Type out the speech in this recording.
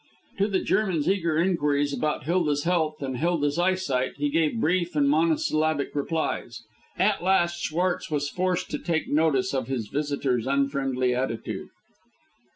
To the German's eager inquiries about Hilda's health and Hilda's eyesight he gave brief and monosyllabic replies. At last Schwartz was forced to take notice of his visitor's unfriendly attitude.